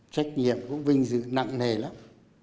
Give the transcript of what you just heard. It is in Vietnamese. trách nhiệm cũng vinh dự nặng nề lắm